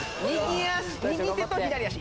右手と左足。